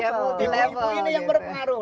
ibu ini yang berpengaruh